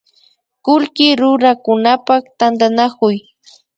Kullki rurakunapak tantanakuy